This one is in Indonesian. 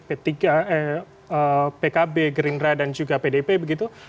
pkb gerindra dan juga pdp begitu